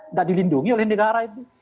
nggak dilindungi oleh negara itu